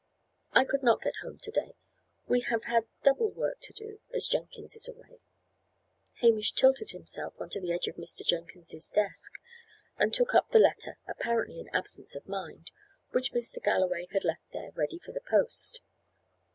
"I could not get home to day. We have had double work to do, as Jenkins is away." Hamish tilted himself on to the edge of Mr. Jenkins's desk, and took up the letter, apparently in absence of mind, which Mr. Galloway had left there, ready for the post.